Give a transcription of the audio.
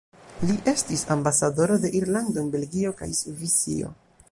Li estis ambasadoro de Irlando en Belgio kaj Svisio.